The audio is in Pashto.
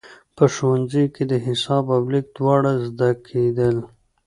په ښوونځیو کې د حساب او لیک دواړه زده کېدل.